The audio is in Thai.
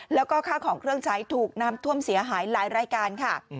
แล้วก็ค่าของเครื่องใช้ถูกน้ำท่วมเสียหายหลายรายการค่ะ